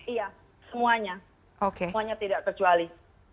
iya semuanya semuanya tidak terkecuali